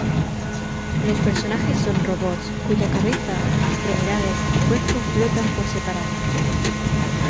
Los personajes son robots cuya cabeza, extremidades y cuerpo flotan por separado.